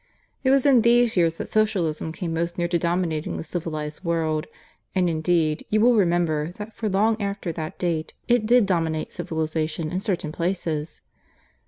It was in these years that Socialism came most near to dominating the civilized world; and, indeed, you will remember that for long after that date it did dominate civilization in certain places.